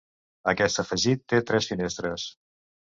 Aquest afegit té tres finestres.